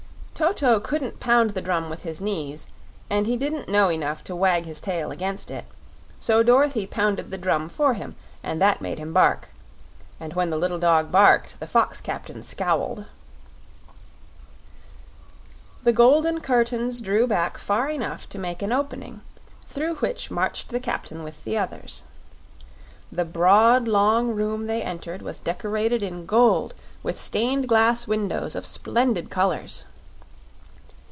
Toto couldn't pound the drum with his knees and he didn't know enough to wag his tail against it, so Dorothy pounded the drum for him and that made him bark, and when the little dog barked the fox captain scowled. The golden curtains drew back far enough to make an opening, through which marched the captain with the others. The broad, long room they entered was decorated in gold with stained glass windows of splendid colors.